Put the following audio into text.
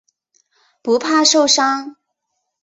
不怕受伤。